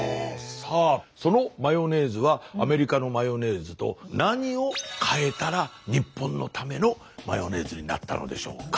さあそのマヨネーズはアメリカのマヨネーズと何を変えたら日本のためのマヨネーズになったのでしょうか？